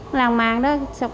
nó lao mang đó